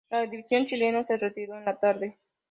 La división chilena se retiró en la tarde.